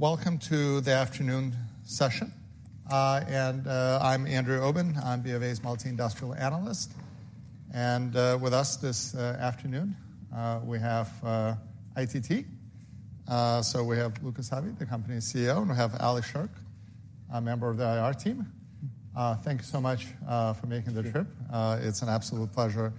Welcome to the afternoon session. I'm Andrew Obin. I'm BofA's Multi-Industry Analyst. With us this afternoon, we have ITT. We have Luca Savi, the company's CEO. And we have Alex Sherk, a member of the IR team. Thank you so much for making the trip. It's an absolute pleasure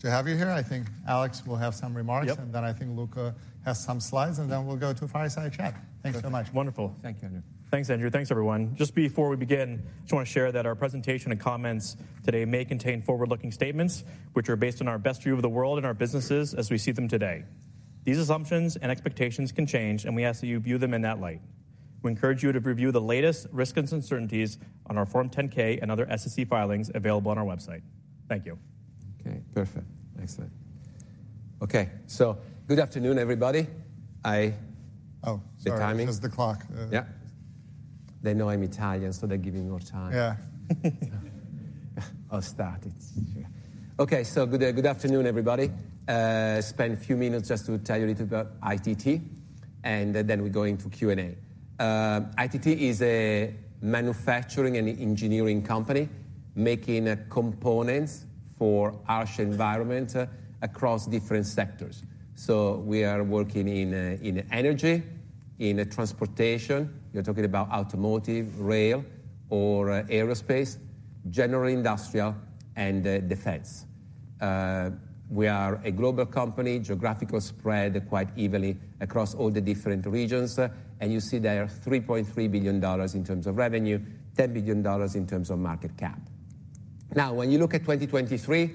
to have you here. I think Alex will have some remarks. Then I think Luca has some slides. And then we'll go to a fireside chat. Thanks so much. Wonderful. Thank you, Andrew. Thanks, Andrew. Thanks, everyone. Just before we begin, I just want to share that our presentation and comments today may contain forward-looking statements which are based on our best view of the world and our businesses as we see them today. These assumptions and expectations can change. We ask that you view them in that light. We encourage you to review the latest risks and uncertainties on our Form 10-K and other SEC filings available on our website. Thank you. Okay. Perfect. Excellent. Okay. So good afternoon, everybody. I... Oh. Good timing. Sorry. It's the clock. Yeah. They know I'm Italian. So they're giving more time. Yeah. I'll start. Okay. So good afternoon, everybody. Spend a few minutes just to tell you a little bit about ITT. And then we're going to Q&A. ITT is a manufacturing and engineering company making components for our environment across different sectors. So we are working in energy, in transportation - you're talking about automotive, rail, or aerospace - general industrial, and defense. We are a global company geographically spread quite evenly across all the different regions. And you see there are $3.3 billion in terms of revenue, $10 billion in terms of market cap. Now, when you look at 2023,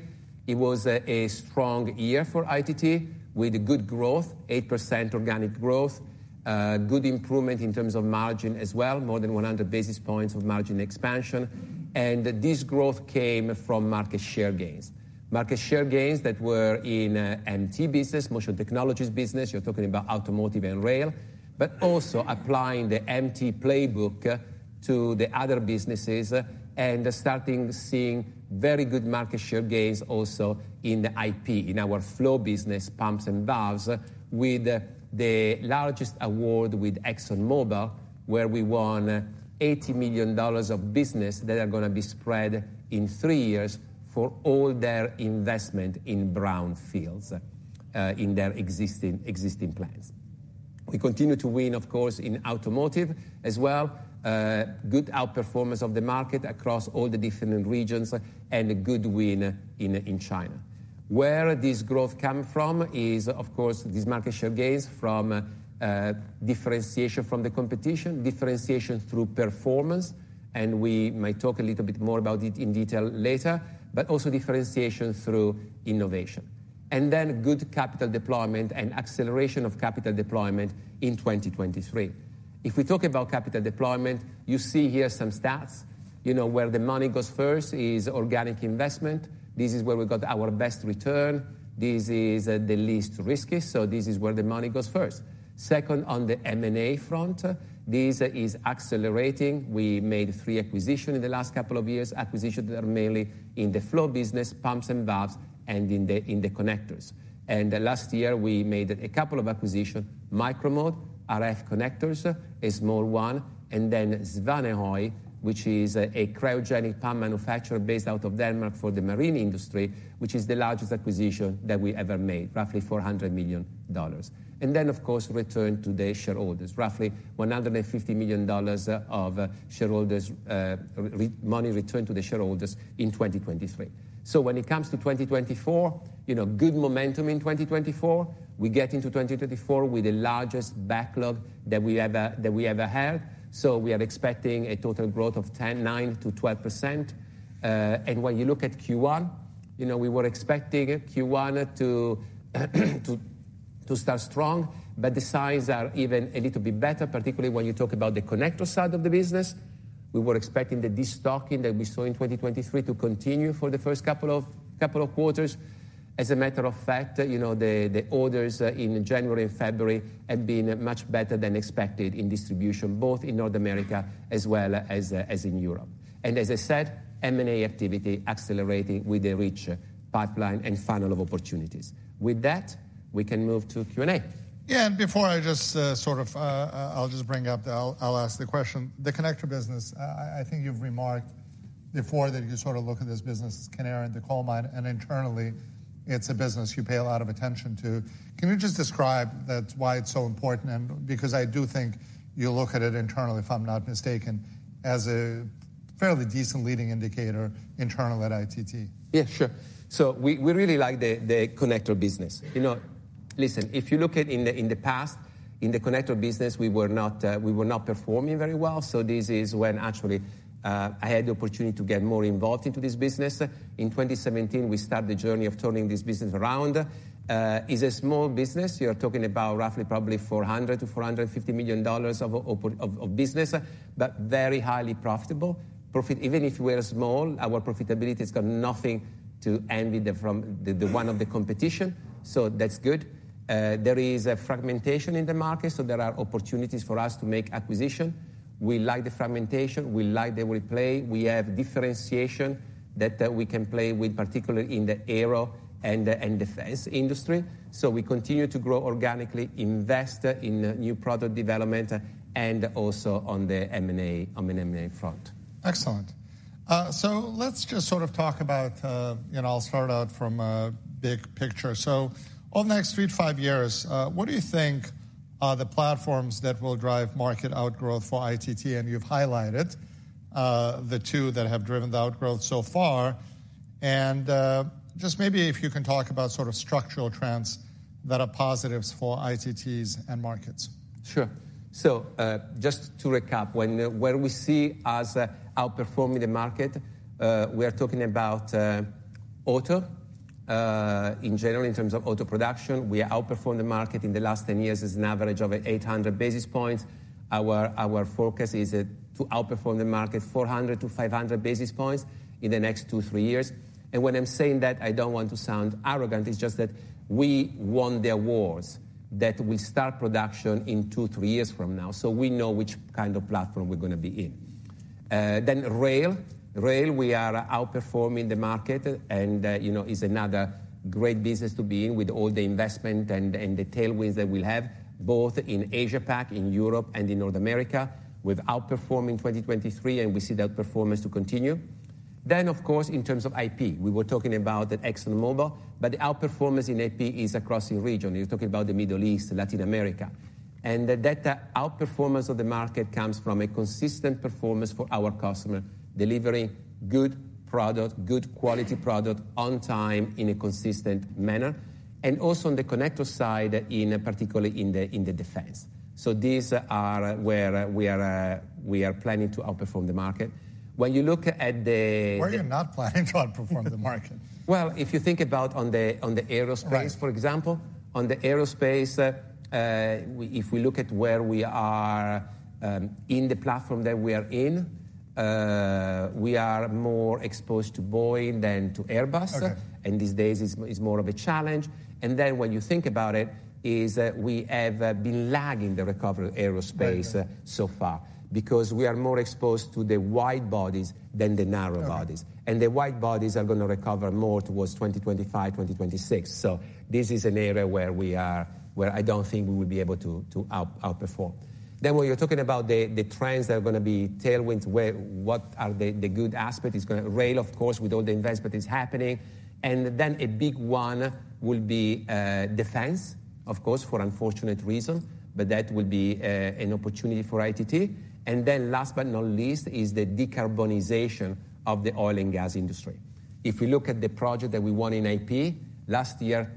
it was a strong year for ITT with good growth, 8% organic growth, good improvement in terms of margin as well, more than 100 basis points of margin expansion. And this growth came from market share gains. Market share gains that were in MT business, motion technologies business you're talking about automotive and rail but also applying the MT playbook to the other businesses and starting seeing very good market share gains also in the IP, in our flow business, pumps and valves, with the largest award with ExxonMobil where we won $80 million of business that are going to be spread in three years for all their investment in brownfields in their existing plants. We continue to win, of course, in automotive as well. Good outperformance of the market across all the different regions and a good win in China. Where this growth comes from is, of course, these market share gains from differentiation from the competition, differentiation through performance. And we might talk a little bit more about it in detail later. But also differentiation through innovation. And then good capital deployment and acceleration of capital deployment in 2023. If we talk about capital deployment, you see here some stats. Where the money goes first is organic investment. This is where we got our best return. This is the least risky. So this is where the money goes first. Second on the M&A front, this is accelerating. We made three acquisitions in the last couple of years, acquisitions that are mainly in the flow business, pumps and valves, and in the connectors. And last year, we made a couple of acquisitions: Micro-Mode, RF connectors, a small one, and then Svanehøj, which is a cryogenic pump manufacturer based out of Denmark for the marine industry, which is the largest acquisition that we ever made, roughly $400 million. And then, of course, return to the shareholders, roughly $150 million of money returned to the shareholders in 2023. So when it comes to 2024, good momentum in 2024. We get into 2024 with the largest backlog that we ever had. So we are expecting a total growth of 9%-12%. And when you look at Q1, we were expecting Q1 to start strong. But the signs are even a little bit better, particularly when you talk about the connector side of the business. We were expecting the destocking that we saw in 2023 to continue for the first couple of quarters. As a matter of fact, the orders in January and February have been much better than expected in distribution, both in North America as well as in Europe. And as I said, M&A activity accelerating with a rich pipeline and funnel of opportunities. With that, we can move to Q&A. Yeah. And before I just sort of ask the question. The connector business, I think you've remarked before that you sort of look at this business as canary in the coal mine. And internally, it's a business you pay a lot of attention to. Can you just describe why it's so important? Because I do think you look at it internally, if I'm not mistaken, as a fairly decent leading indicator internally at ITT. Yeah. Sure. So we really like the connector business. Listen, if you look at in the past, in the connector business, we were not performing very well. So this is when actually I had the opportunity to get more involved into this business. In 2017, we started the journey of turning this business around. It's a small business. You're talking about roughly probably $400-$450 million of business but very highly profitable. Even if we are small, our profitability has got nothing to envy from one of the competition. So that's good. There is fragmentation in the market. So there are opportunities for us to make acquisition. We like the fragmentation. We like the way we play. We have differentiation that we can play with, particularly in the aero and defense industry. So we continue to grow organically, invest in new product development, and also on the M&A front. Excellent. So let's just sort of talk about and I'll start out from a big picture. So over the next three to five years, what do you think are the platforms that will drive market outgrowth for ITT? And you've highlighted the two that have driven the outgrowth so far. And just maybe if you can talk about sort of structural trends that are positives for ITT's and markets. Sure. So just to recap, where we see us outperforming the market, we are talking about auto in general, in terms of auto production. We outperformed the market in the last 10 years as an average of 800 basis points. Our focus is to outperform the market 400-500 basis points in the next two, three years. And when I'm saying that, I don't want to sound arrogant. It's just that we won the awards that will start production in two, three years from now. So we know which kind of platform we're going to be in. Then rail. Rail, we are outperforming the market. And it's another great business to be in with all the investment and the tailwinds that we'll have, both in Asia-Pac, in Europe, and in North America. We've outperformed in 2023. And we see that performance to continue. Then, of course, in terms of IP, we were talking about ExxonMobil. But the outperformance in AP is across the region. You're talking about the Middle East, Latin America. And that outperformance of the market comes from a consistent performance for our customer, delivering good product, good quality product on time in a consistent manner, and also on the connector side, particularly in the defense. So these are where we are planning to outperform the market. When you look at the. Where are you not planning to outperform the market? Well, if you think about on the aerospace, for example, on the aerospace, if we look at where we are in the platform that we are in, we are more exposed to Boeing than to Airbus. These days, it's more of a challenge. Then when you think about it, we have been lagging the recovery aerospace so far because we are more exposed to the wide bodies than the narrow bodies. The wide bodies are going to recover more towards 2025, 2026. So this is an area where I don't think we will be able to outperform. Then when you're talking about the trends that are going to be tailwinds, what are the good aspects? Rail, of course, with all the investment is happening. Then a big one will be defense, of course, for unfortunate reasons. That will be an opportunity for ITT. And then last but not least is the decarbonization of the oil and gas industry. If we look at the project that we won in IP last year,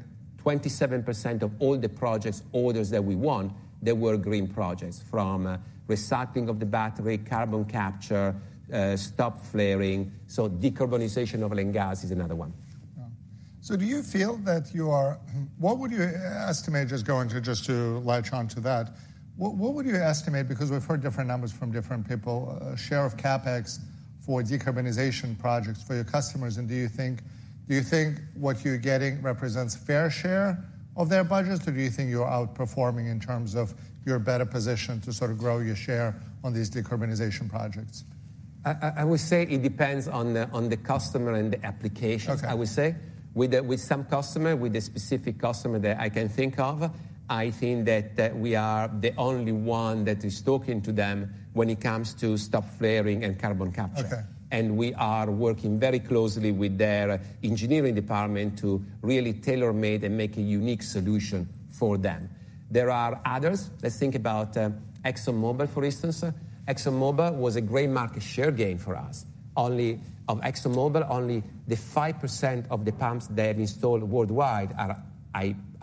27% of all the projects orders that we won were green projects from recycling of the battery, carbon capture, and stop flaring. Decarbonization of oil and gas is another one. So do you feel that you are what would you estimate? Just to latch onto that, what would you estimate? Because we've heard different numbers from different people, share of CapEx for decarbonization projects for your customers. And do you think what you're getting represents fair share of their budgets? Or do you think you're outperforming in terms of you're better positioned to sort of grow your share on these decarbonization projects? I would say it depends on the customer and the application, I would say. With some customer, with a specific customer that I can think of, I think that we are the only one that is talking to them when it comes to stop flaring and carbon capture. And we are working very closely with their engineering department to really tailor-made and make a unique solution for them. There are others. Let's think about ExxonMobil, for instance. ExxonMobil was a great market share gain for us. Of ExxonMobil, only the 5% of the pumps they have installed worldwide are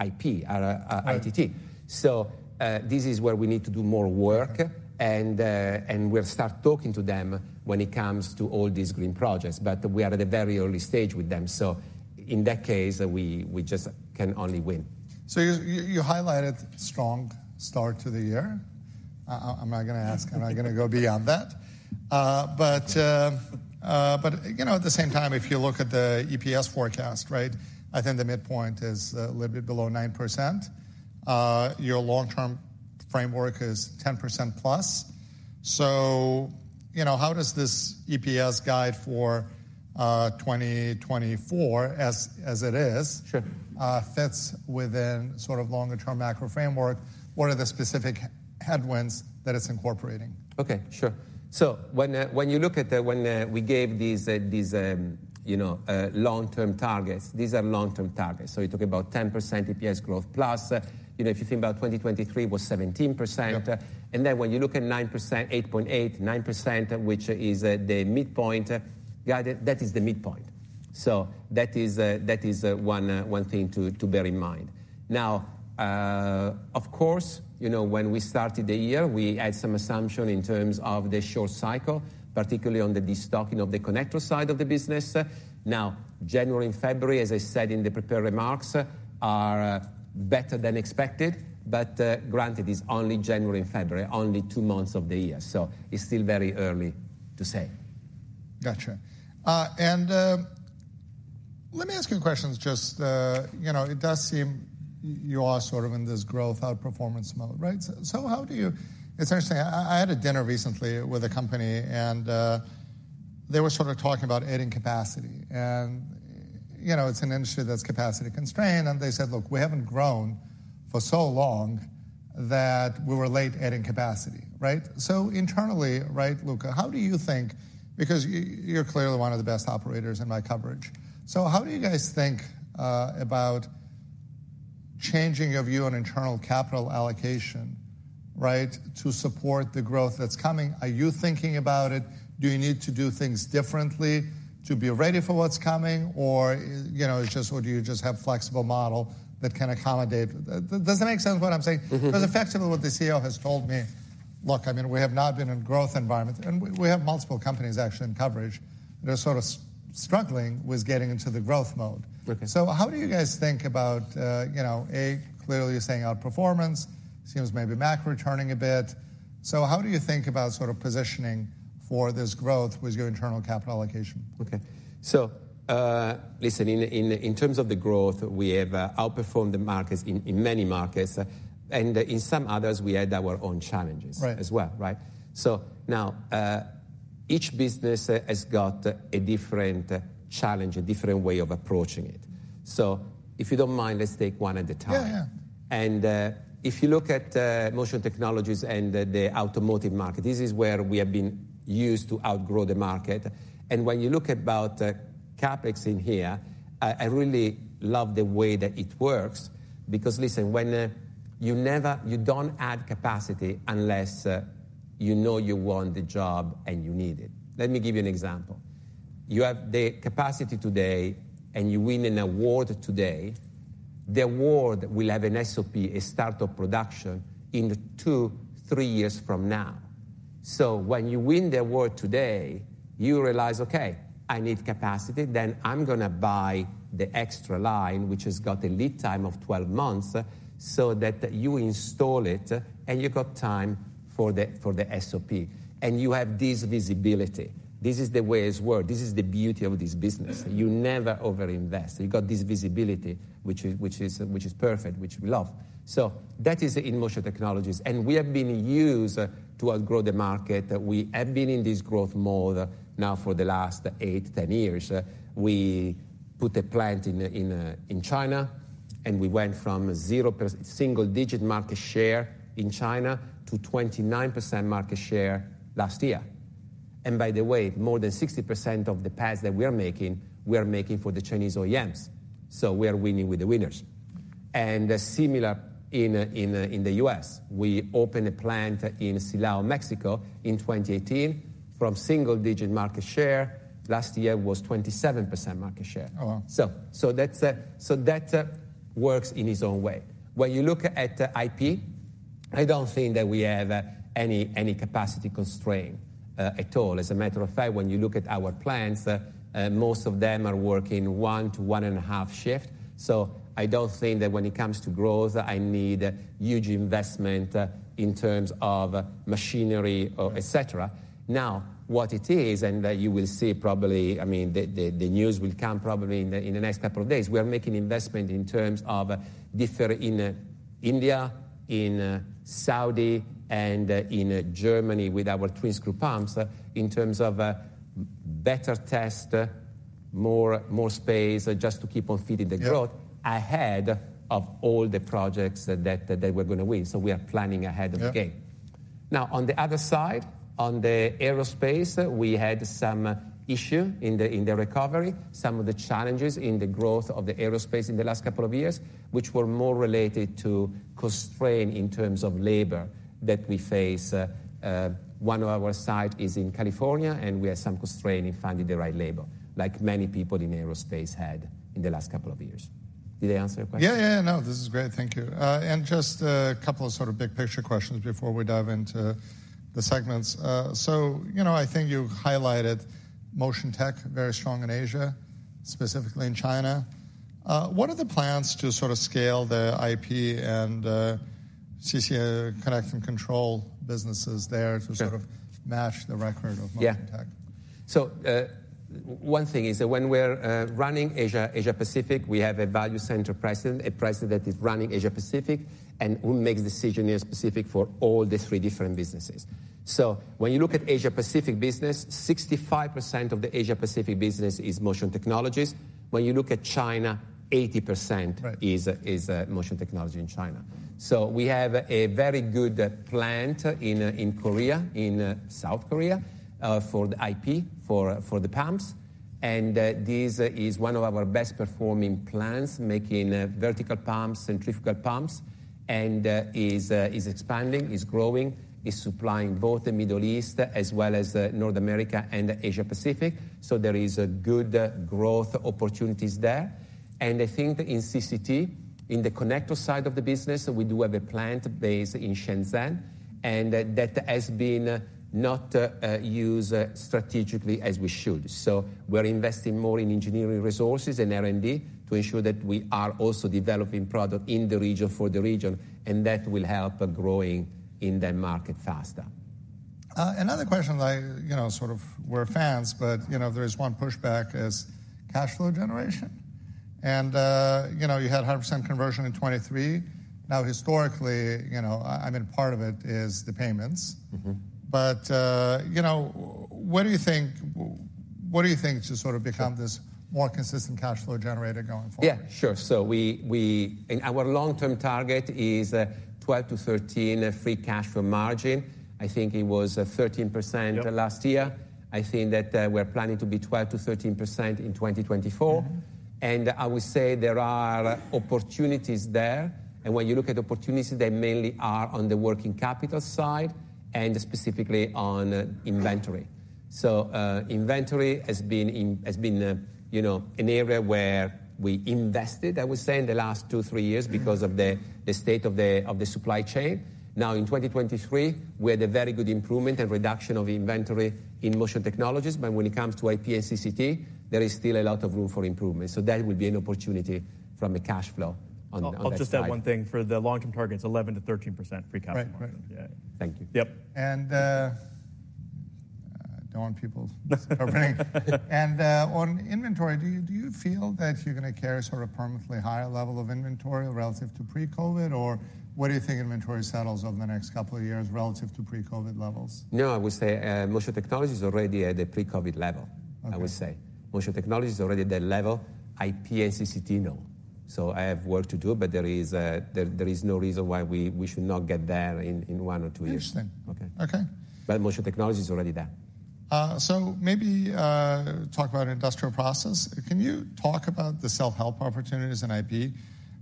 IP, are ITT. So this is where we need to do more work. And we'll start talking to them when it comes to all these green projects. But we are at a very early stage with them. So in that case, we just can only win. So you highlighted strong start to the year. I'm not going to ask. I'm not going to go beyond that. But at the same time, if you look at the EPS forecast, right, I think the midpoint is a little bit below 9%. Your long-term framework is 10%+. So how does this EPS guide for 2024 as it is fits within sort of longer-term macro framework? What are the specific headwinds that it's incorporating? Okay. Sure. So when you look at when we gave these long-term targets, these are long-term targets. So you're talking about 10% EPS growth +. If you think about 2023, it was 17%. And then when you look at 8.8%, which is the midpoint, that is the midpoint. So that is one thing to bear in mind. Now, of course, when we started the year, we had some assumption in terms of the short cycle, particularly on the destocking of the connector side of the business. Now, January and February, as I said in the prepared remarks, are better than expected. But granted, it's only January and February, only two months of the year. So it's still very early to say. Gotcha. Let me ask you questions. Just, it does seem you are sort of in this growth outperformance mode, right? So, how do you? It's interesting. I had a dinner recently with a company. They were sort of talking about adding capacity. It's an industry that's capacity-constrained. They said, "Look, we haven't grown for so long that we were late adding capacity," right? So, internally, right, Luca, how do you think? Because you're clearly one of the best operators in my coverage. So, how do you guys think about changing your view on internal capital allocation, right, to support the growth that's coming? Are you thinking about it? Do you need to do things differently to be ready for what's coming? Or it's just, or do you just have a flexible model that can accommodate? Does it make sense what I'm saying? Because effectively, what the CEO has told me, "Look, I mean, we have not been in a growth environment." And we have multiple companies, actually, in coverage that are sort of struggling with getting into the growth mode. So how do you guys think about A, clearly, you're saying outperformance. It seems maybe macro turning a bit. So how do you think about sort of positioning for this growth with your internal capital allocation? Okay. So listen, in terms of the growth, we have outperformed the markets in many markets. And in some others, we had our own challenges as well, right? So now, each business has got a different challenge, a different way of approaching it. So if you don't mind, let's take one at a time. And if you look at Motion Technologies and the automotive market, this is where we have been used to outgrow the market. And when you look about CapEx in here, I really love the way that it works because, listen, when you don't add capacity unless you know you want the job and you need it. Let me give you an example. You have the capacity today. And you win an award today. The award will have an SOP, a startup production, in two to three years from now. So when you win the award today, you realize, "Okay, I need capacity. Then I'm going to buy the extra line, which has got a lead time of 12 months, so that you install it. And you've got time for the SOP. And you have this visibility. This is the way it's worked. This is the beauty of this business. You never overinvest. You've got this visibility, which is perfect, which we love." So that is in Motion Technologies. And we have been used to outgrow the market. We have been in this growth mode now for the last eight to 10 years. We put a plant in China. And we went from a single-digit market share in China to 29% market share last year. And by the way, more than 60% of the parts that we are making, we are making for the Chinese OEMs. So we are winning with the winners. Similar in the U.S. We opened a plant in Silao, Mexico, in 2018 from single-digit market share. Last year, it was 27% market share. So that works in its own way. When you look at IP, I don't think that we have any capacity constraint at all. As a matter of fact, when you look at our plants, most of them are working 1 to 1.5 shifts. So I don't think that when it comes to growth, I need huge investment in terms of machinery, etc. Now, what it is, and you will see probably I mean, the news will come probably in the next couple of days. We are making investment in terms of different in India, in Saudi, and in Germany with our twin screw pumps in terms of better test, more space, just to keep on feeding the growth ahead of all the projects that we're going to win. So we are planning ahead of the game. Now, on the other side, on the aerospace, we had some issue in the recovery, some of the challenges in the growth of the aerospace in the last couple of years, which were more related to constraint in terms of labor that we face. One of our sites is in California. We have some constraint in finding the right labor, like many people in aerospace had in the last couple of years. Did I answer your question? Yeah, yeah, yeah. No, this is great. Thank you. And just a couple of sort of big picture questions before we dive into the segments. So I think you highlighted Motion Tech, very strong in Asia, specifically in China. What are the plans to sort of scale the IP and CCA connect and control businesses there to sort of match the record of Motion Tech? Yeah. So one thing is that when we're running Asia-Pacific, we have a value center president, a president that is running Asia-Pacific, and who makes decisions specific for all the three different businesses. So when you look at Asia-Pacific business, 65% of the Asia-Pacific business is Motion Technologies. When you look at China, 80% is Motion Technology in China. So we have a very good plant in South Korea for the IP, for the pumps. And this is one of our best-performing plants, making vertical pumps, centrifugal pumps, and is expanding, is growing, is supplying both the Middle East as well as North America and Asia-Pacific. So there is good growth opportunities there. And I think in CCT, in the connector side of the business, we do have a plant based in Shenzhen. And that has been not used strategically as we should. We're investing more in engineering resources and R&D to ensure that we are also developing product in the region for the region. That will help growing in that market faster. Another question that I sort of, we're fans. But there is one pushback as cash flow generation. You had 100% conversion in 2023. Now, historically, I mean, part of it is the payments. But what do you think to sort of become this more consistent cash flow generator going forward? Yeah, sure. So our long-term target is 12-13 free cash flow margin. I think it was 13% last year. I think that we are planning to be 12%-13% in 2024. And I would say there are opportunities there. And when you look at opportunities, they mainly are on the working capital side and specifically on inventory. So inventory has been an area where we invested, I would say, in the last two to three years because of the state of the supply chain. Now, in 2023, we had a very good improvement and reduction of inventory in Motion Technologies. But when it comes to IP and CCT, there is still a lot of room for improvement. So that will be an opportunity from a cash flow on that side. I'll just add one thing for the long-term targets, 11%-13% free cash flow margin. Yeah. Right. Thank you. Yep. Don't want people's covering. On inventory, do you feel that you're going to carry sort of a permanently higher level of inventory relative to pre-COVID? Or what do you think inventory settles over the next couple of years relative to pre-COVID levels? No, I would say Motion Technologies already had a pre-COVID level, I would say. Motion Technologies already at that level. IP and CCT, no. So I have work to do. But there is no reason why we should not get there in one or two years. Interesting. Okay. But Motion Technologies is already there. So maybe talk about an industrial process. Can you talk about the self-help opportunities in IP,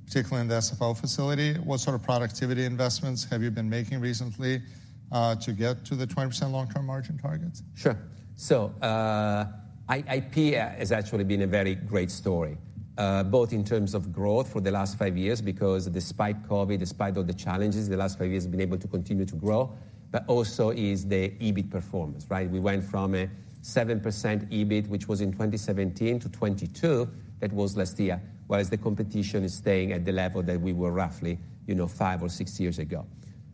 particularly in the SFO facility? What sort of productivity investments have you been making recently to get to the 20% long-term margin targets? Sure. So IP has actually been a very great story, both in terms of growth for the last five years because despite COVID, despite all the challenges, the last five years has been able to continue to grow. But also is the EBIT performance, right? We went from a 7% EBIT, which was in 2017, to 22% that was last year, whereas the competition is staying at the level that we were roughly five or six years ago.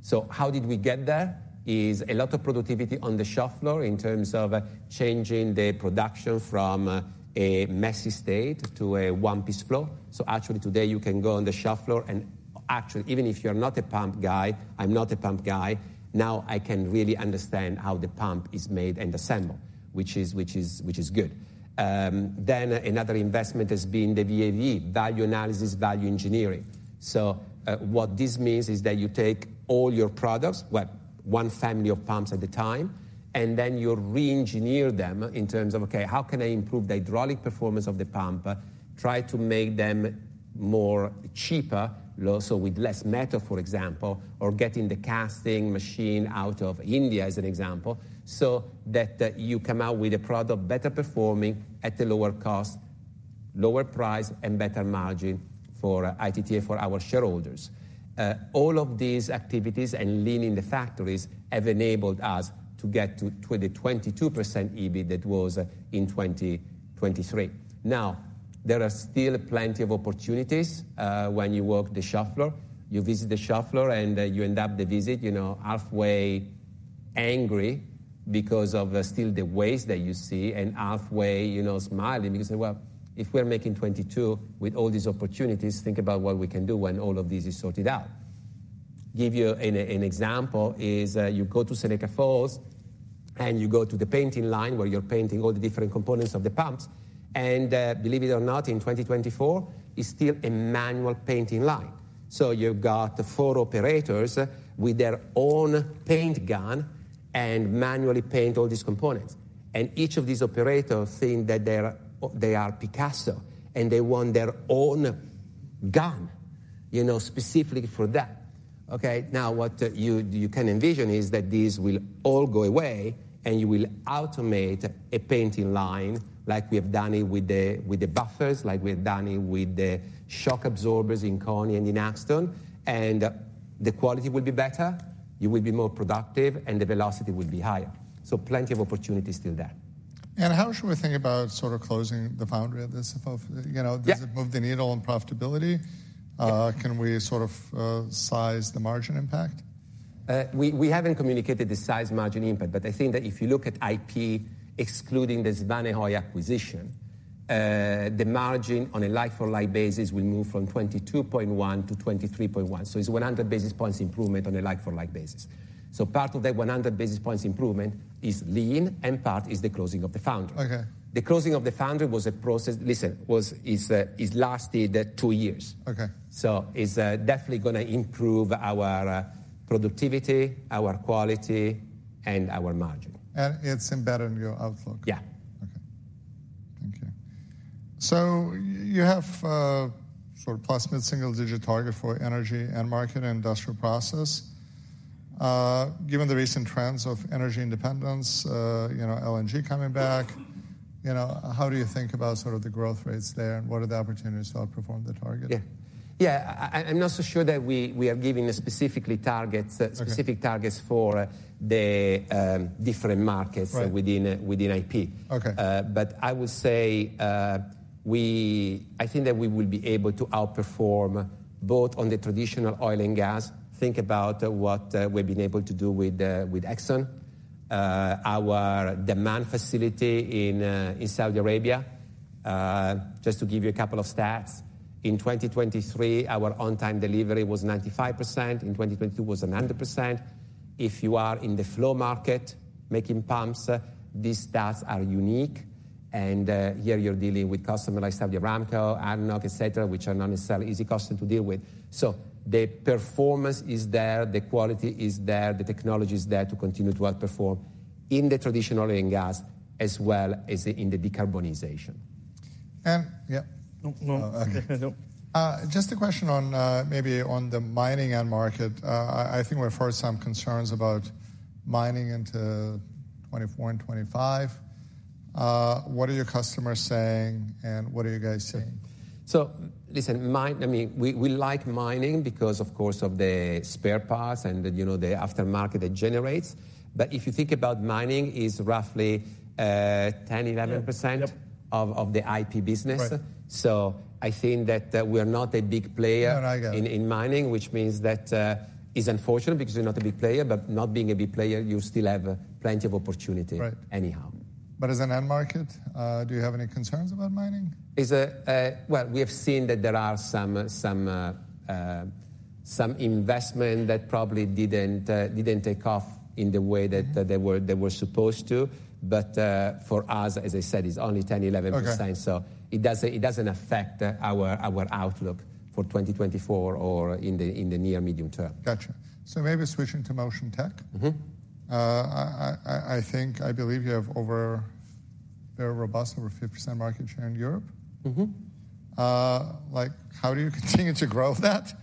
So how did we get there? It's a lot of productivity on the shop floor in terms of changing the production from a messy state to a one-piece flow. So actually, today, you can go on the shop floor. And actually, even if you are not a pump guy, I'm not a pump guy. Now, I can really understand how the pump is made and assembled, which is good. Then another investment has been the VAVE, value analysis, value engineering. So what this means is that you take all your products, well, one family of pumps at a time. And then you re-engineer them in terms of, "Okay, how can I improve the hydraulic performance of the pump, try to make them cheaper, so with less metal, for example, or getting the casting machine out of India," as an example, so that you come out with a product better performing at a lower cost, lower price, and better margin for ITT and for our shareholders. All of these activities and leaning the factories have enabled us to get to the 22% EBIT that was in 2023. Now, there are still plenty of opportunities when you work the shop floor. You visit the shop floor. You end of the visit halfway angry because you still see the ways and halfway smiling because you say, "Well, if we are making 22% with all these opportunities, think about what we can do when all of this is sorted out." Give you an example. You go to Seneca Falls. You go to the painting line where you're painting all the different components of the pumps. Believe it or not, in 2024, it's still a manual painting line. So you've got four operators with their own paint gun and manually paint all these components. Each of these operators thinks that they are Picasso. They want their own gun specifically for that. Okay, now, what you can envision is that these will all go away. You will automate a painting line like we have done it with the buffers, like we have done it with the shock absorbers in Koni and in Axtone. And the quality will be better. You will be more productive. And the velocity will be higher. So plenty of opportunities still there. How should we think about sort of closing the foundry of the SFO? Does it move the needle on profitability? Can we sort of size the margin impact? We haven't communicated the size margin impact. But I think that if you look at IP, excluding the Svanehøj acquisition, the margin on a like-for-like basis will move from 22.1%-23.1%. So it's 100 basis points improvement on a like-for-like basis. So part of that 100 basis points improvement is lean. Part is the closing of the foundry. The closing of the foundry was a process, listen, it lasted two years. So it's definitely going to improve our productivity, our quality, and our margin. It's embedded in your outlook. Yeah. Okay. Thank you. So you have sort of plus mid-single-digit target for energy and market and industrial process. Given the recent trends of energy independence, LNG coming back, how do you think about sort of the growth rates there? And what are the opportunities to outperform the target? Yeah. Yeah, I'm not so sure that we are giving specific targets for the different markets within IP. But I would say I think that we will be able to outperform both on the traditional oil and gas. Think about what we've been able to do with Exxon, our demand facility in Saudi Arabia, just to give you a couple of stats. In 2023, our on-time delivery was 95%. In 2022, it was 100%. If you are in the flow market making pumps, these stats are unique. And here, you're dealing with customers like Saudi Aramco, ADNOC, etc., which are not necessarily easy customers to deal with. So the performance is there. The quality is there. The technology is there to continue to outperform in the traditional oil and gas as well as in the decarbonization. And yeah. Nope. Nope. Okay. Nope. Just a question maybe on the mining and market. I think we've heard some concerns about mining into 2024 and 2025. What are your customers saying? What are you guys saying? So listen, I mean, we like mining because, of course, of the spare parts and the aftermarket that generates. But if you think about mining, it's roughly 10%-11% of the IP business. So I think that we are not a big player in mining, which means that it's unfortunate because you're not a big player. But not being a big player, you still have plenty of opportunity anyhow. But as an end market, do you have any concerns about mining? Well, we have seen that there are some investments that probably didn't take off in the way that they were supposed to. But for us, as I said, it's only 10%, 11%. So it doesn't affect our outlook for 2024 or in the near-medium term. Gotcha. So maybe switching to Motion Tech. I believe you have a very robust, over 50% market share in Europe. How do you continue to grow that?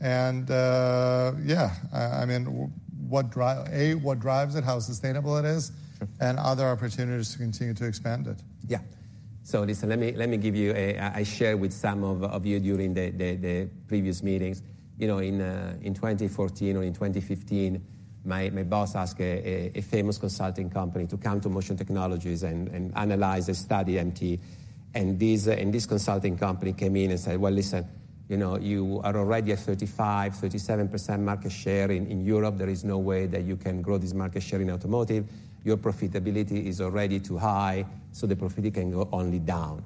And yeah, I mean, A, what drives it, how sustainable it is, and other opportunities to continue to expand it. Yeah. So listen, let me give you. I shared with some of you during the previous meetings. In 2014 or in 2015, my boss asked a famous consulting company to come to Motion Technologies and analyze and study MT. And this consulting company came in and said, "Well, listen, you are already at 35%, 37% market share in Europe. There is no way that you can grow this market share in automotive. Your profitability is already too high. So the profitability can go only down."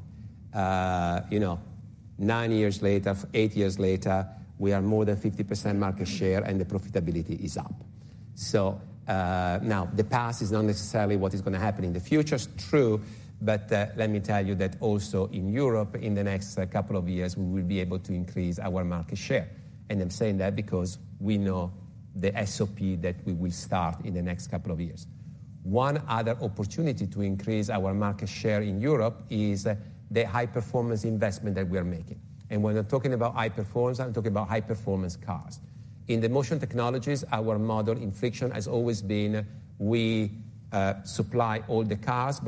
nine years later, eight years later, we are more than 50% market share. And the profitability is up. So now, the past is not necessarily what is going to happen in the future. It's true. But let me tell you that also in Europe, in the next couple of years, we will be able to increase our market share. I'm saying that because we know the SOP that we will start in the next couple of years. One other opportunity to increase our market share in Europe is the high-performance investment that we are making. When I'm talking about high-performance, I'm talking about high-performance cars. In the Motion Technologies, our model in friction has always been we supply all the cars.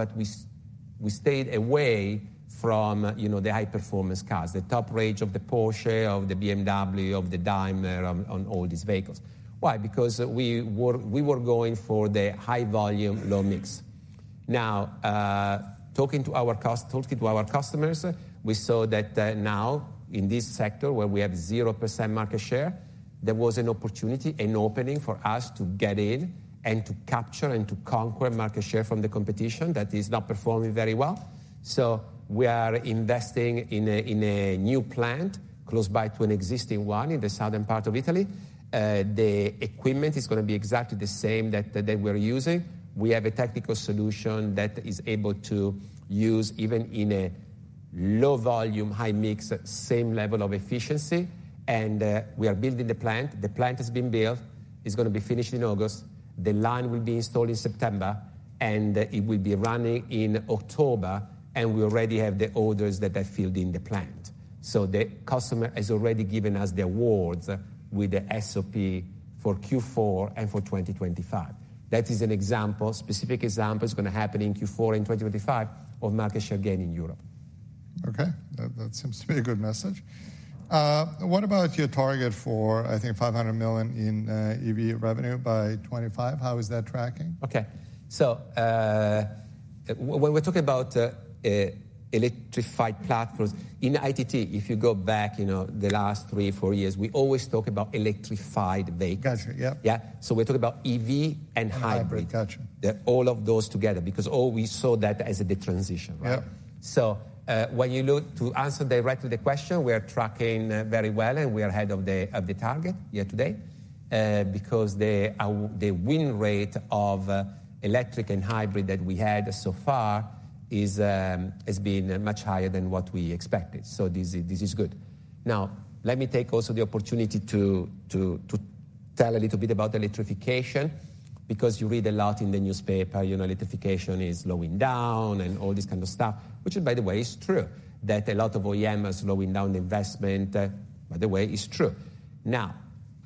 We stayed away from the high-performance cars, the top range of the Porsche, of the BMW, of the Daimler, on all these vehicles. Why? Because we were going for the high-volume, low mix. Now, talking to our customers, we saw that now, in this sector where we have 0% market share, there was an opportunity, an opening for us to get in and to capture and to conquer market share from the competition that is not performing very well. So we are investing in a new plant close by to an existing one in the southern part of Italy. The equipment is going to be exactly the same that we're using. We have a technical solution that is able to use even in a low-volume, high-mix, same level of efficiency. And we are building the plant. The plant has been built. It's going to be finished in August. The line will be installed in September. And it will be running in October. And we already have the orders that are filled in the plant. So the customer has already given us the awards with the SOP for Q4 and for 2025. That is an example, specific example is going to happen in Q4 and 2025 of market share gain in Europe. Okay. That seems to be a good message. What about your target for, I think, $500 million in EV revenue by 2025? How is that tracking? Okay. So when we're talking about electrified platforms, in ITT, if you go back the last three to four years, we always talk about electrified vehicles. Yeah? So we're talking about EV and hybrid. All of those together because we saw that as the transition, right? So when you look to answer directly the question, we are tracking very well. And we are ahead of the target here today because the win rate of electric and hybrid that we had so far has been much higher than what we expected. So this is good. Now, let me take also the opportunity to tell a little bit about electrification because you read a lot in the newspaper. Electrification is slowing down and all this kind of stuff, which, by the way, is true, that a lot of OEMs are slowing down the investment, by the way, is true. Now,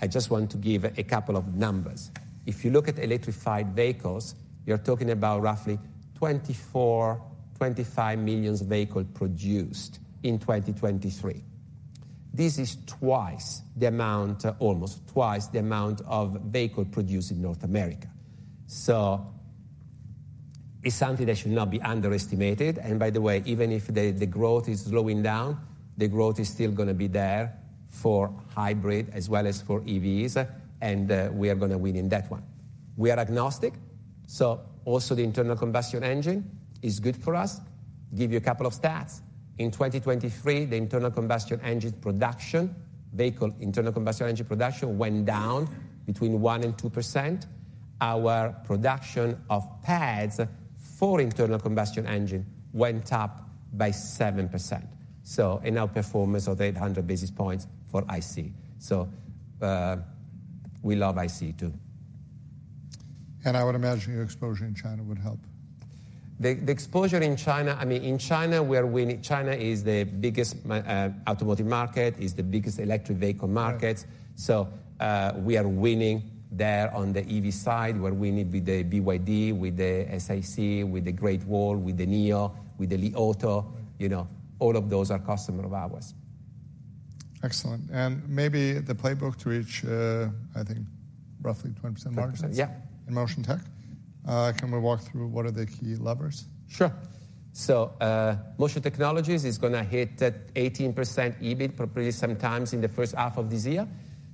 I just want to give a couple of numbers. If you look at electrified vehicles, you're talking about roughly 24-25 million vehicles produced in 2023. This is twice the amount, almost twice the amount of vehicles produced in North America. So it's something that should not be underestimated. And by the way, even if the growth is slowing down, the growth is still going to be there for hybrid as well as for EVs. And we are going to win in that one. We are agnostic. So also, the internal combustion engine is good for us. Give you a couple of stats. In 2023, the internal combustion engine production, vehicle internal combustion engine production, went down between 1%-2%. Our production of pads for internal combustion engine went up by 7% and our performance of 800 basis points for IC. So we love IC, too. I would imagine your exposure in China would help. The exposure in China, I mean, in China, we are winning. China is the biggest automotive market, is the biggest electric vehicle market. So we are winning there on the EV side. We're winning with the BYD, with the SAIC, with the Great Wall, with the NIO, with the Li Auto. All of those are customers of ours. Excellent. Maybe the playbook to reach, I think, roughly 20% market share in Motion Tech. Can we walk through what are the key levers? Sure. So Motion Technologies is going to hit 18% EBIT probably sometime in the first half of this year.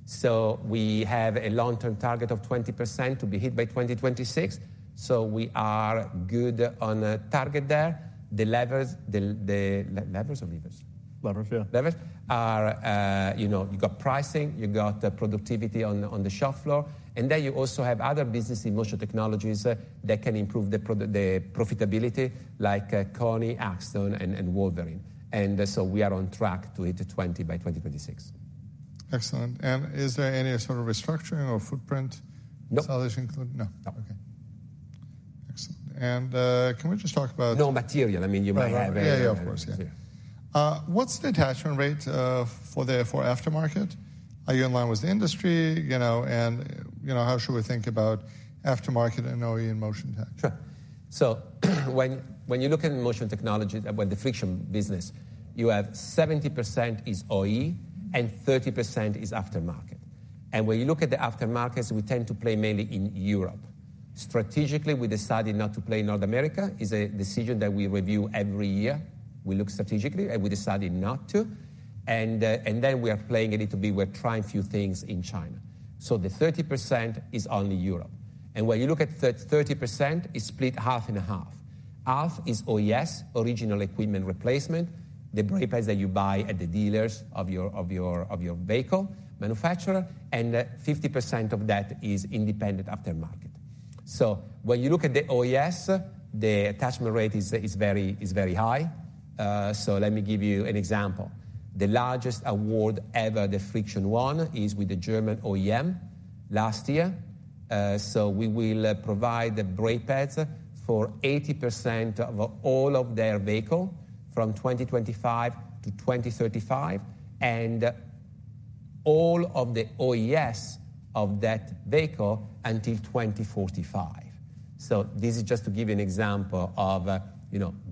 So we have a long-term target of 20% to be hit by 2026. So we are good on a target there. The levers or levers? Levers, yeah. Levers are: you got pricing. You got productivity on the shop floor. And then, you also have other businesses in Motion Technologies that can improve the profitability like Koni, Axtone, and Wolverine. And so we are on track to hit 20% by 2026. Excellent. And is there any sort of restructuring or footprint? No. Establishing? No. Okay. Excellent. Can we just talk about. No material. I mean, you might have a. Yeah, yeah, yeah. Of course. Yeah. What's the attachment rate for aftermarket? Are you in line with the industry? And how should we think about aftermarket and OE in Motion Tech? Sure. So when you look at Motion Technologies, when the friction business, you have 70% is OE and 30% is aftermarket. And when you look at the aftermarkets, we tend to play mainly in Europe. Strategically, we decided not to play in North America. It's a decision that we review every year. We look strategically. And we decided not to. And then, we are playing a little bit. We're trying a few things in China. So the 30% is only Europe. And when you look at 30%, it's split half and half. Half is OES, original equipment replacement, the brake pads that you buy at the dealers of your vehicle manufacturer. And 50% of that is independent aftermarket. So when you look at the OES, the attachment rate is very high. So let me give you an example. The largest award ever, the friction one, is with the German OEM last year. So we will provide the brake pads for 80% of all of their vehicles from 2025 -2035 and all of the OES of that vehicle until 2045. So this is just to give you an example of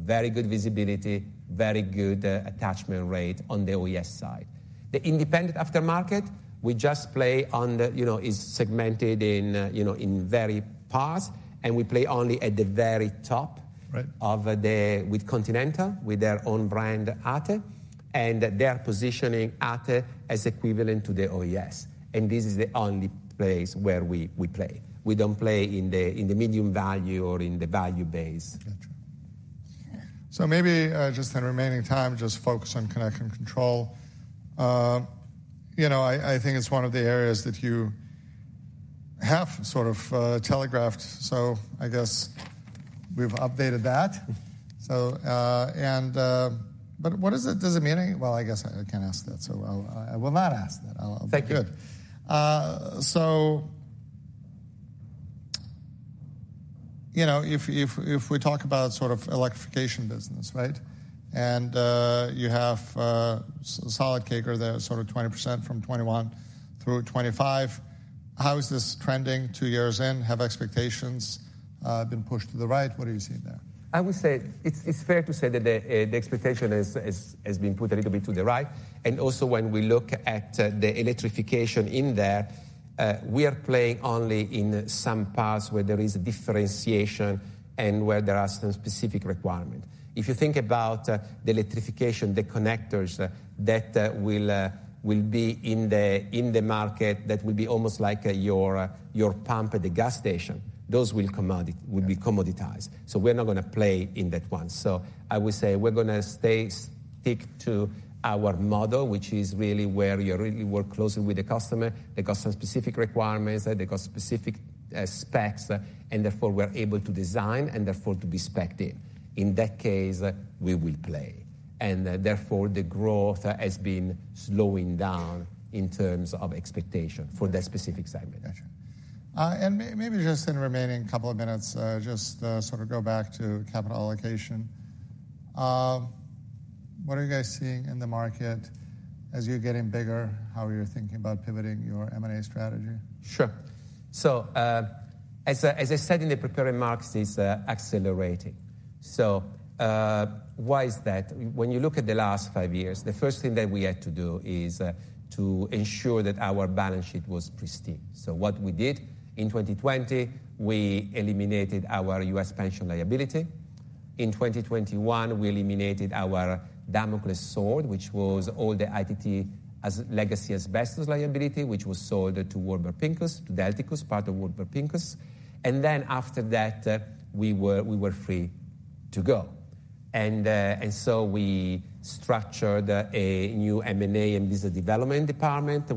very good visibility, very good attachment rate on the OES side. The independent aftermarket, we just play on the. It's segmented in very parts. And we play only at the very top with Continental with their own brand, ATE. And they are positioning ATE as equivalent to the OES. And this is the only place where we play. We don't play in the medium value or in the value base. Gotcha. So maybe just in remaining time, just focus on connection control. I think it's one of the areas that you have sort of telegraphed. So I guess we've updated that. But what does it mean? Well, I guess I can't ask that. So I will not ask that. Thank you. Good. So if we talk about sort of electrification business, right, and you have Schaeffler there, sort of 20% from 2021 through 2025, how is this trending two years in? Have expectations been pushed to the right? What are you seeing there? I would say it's fair to say that the expectation has been put a little bit to the right. And also, when we look at the electrification in there, we are playing only in some parts where there is differentiation and where there are some specific requirements. If you think about the electrification, the connectors that will be in the market that will be almost like your pump at the gas station, those will be commoditized. So we are not going to play in that one. So I would say we're going to stick to our model, which is really where you really work closely with the customer, the customer-specific requirements, the customer-specific specs. And therefore, we're able to design and therefore to be specced in. In that case, we will play. And therefore, the growth has been slowing down in terms of expectation for that specific segment. Gotcha. Maybe just in remaining couple of minutes, just sort of go back to capital allocation. What are you guys seeing in the market as you're getting bigger? How are you thinking about pivoting your M&A strategy? Sure. So as I said in the prepared remarks, it's accelerating. So why is that? When you look at the last five years, the first thing that we had to do is to ensure that our balance sheet was pristine. So what we did in 2020, we eliminated our U.S. pension liability. In 2021, we eliminated our Damocles sword, which was all the ITT legacy asbestos liability, which was sold to Warburg Pincus, to Delticus, part of Warburg Pincus. And then, after that, we were free to go. And so we structured a new M&A and business development department.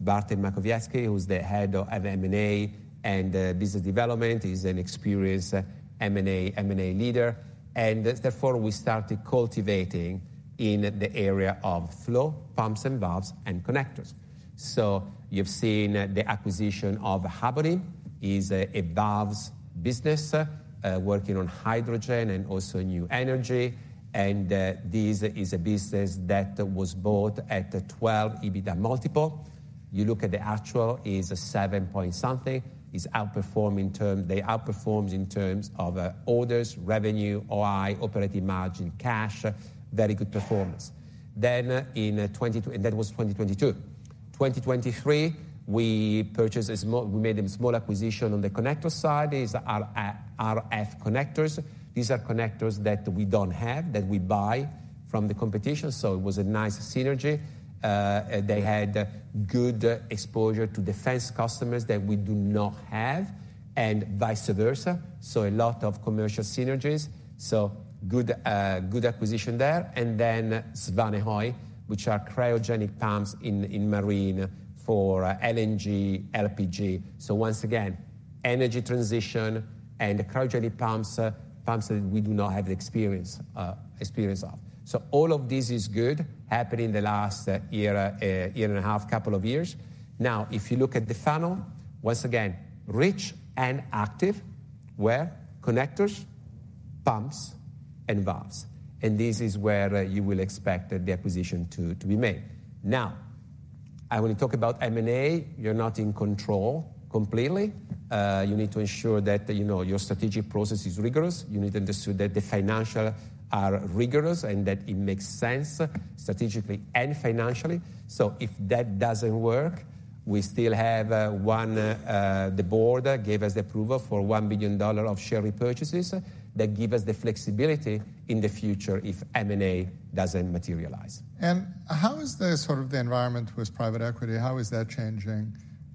Bartek Makowiecki, who's the head of M&A and business development, is an experienced M&A leader. And therefore, we started cultivating in the area of flow, pumps, and valves, and connectors. So you've seen the acquisition of Habonim. It's a valves business working on hydrogen and also new energy. This is a business that was bought at 12x EBITDA multiple. You look at the actual, it's seven point something. It's outperforming in terms they outperform in terms of orders, revenue, OI, operating margin, cash, very good performance. Then in 2022, and that was 2022, 2023, we made a small acquisition on the connector side. These are RF connectors. These are connectors that we don't have, that we buy from the competition. So it was a nice synergy. They had good exposure to defense customers that we do not have and vice versa. So a lot of commercial synergies. So good acquisition there. And then Svanehøj, which are cryogenic pumps in marine for LNG, LPG. So once again, energy transition and cryogenic pumps, pumps that we do not have the experience of. So all of this is good happening the last year, year and a half, couple of years. Now, if you look at the funnel, once again, rich and active where connectors, pumps, and valves. This is where you will expect the acquisition to be made. Now, I want to talk about M&A. You're not in control completely. You need to ensure that your strategic process is rigorous. You need to understand that the financials are rigorous and that it makes sense strategically and financially. So if that doesn't work, we still have one the board gave us the approval for $1 billion of share repurchases that give us the flexibility in the future if M&A doesn't materialize. How is the sort of environment with private equity? How is that changing?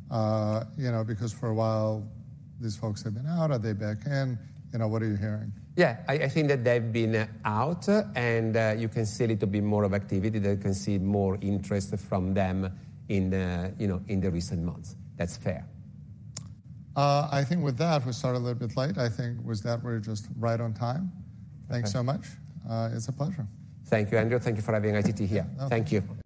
Because for a while, these folks have been out. Are they back in? What are you hearing? Yeah. I think that they've been out. You can see a little bit more of activity. They can see more interest from them in the recent months. That's fair. I think with that, we started a little bit late. I think we're just right on time? Thanks so much. It's a pleasure. Thank you, Andrew. Thank you for having ITT here. Thank you.